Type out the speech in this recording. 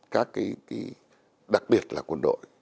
các cái đặc biệt là quân đội